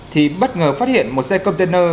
thì bất ngờ phát hiện một xe container